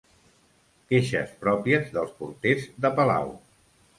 Queixes pròpies dels porters de palau.